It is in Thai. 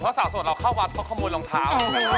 เพราะสาวโสดเราเข้าวัดเพราะขโมยรองเท้า